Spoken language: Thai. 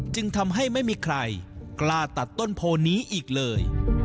จึงทำให้ไม่มีใครกล้าตัดต้นโพนี้อีกเลย